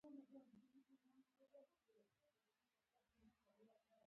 معنا یې ده هغه ځمکه ځانګړې کړه.